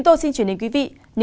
tình hình dịch covid một mươi chín